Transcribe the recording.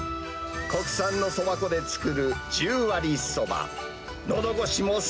国産のそば粉で作る十割そば。